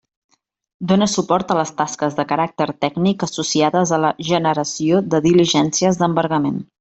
Dóna suport a les tasques de caràcter tècnic associades a la generació de diligències d'embargament.